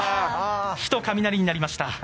火と雷になりました。